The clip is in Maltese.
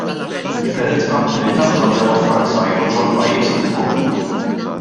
Il-parent company tagħha ġewwa Franza, jew ġol-pajjiż li tkun!